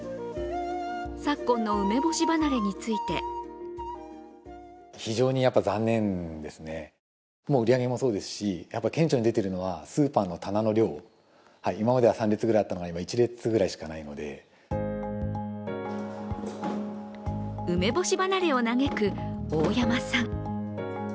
昨今の梅干し離れについて梅干し離れを嘆く大山さん。